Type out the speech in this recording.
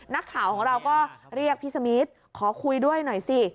นักข่าวของเราก็เรียกพี่สมีทขอคุยด้วยหน่อยสิ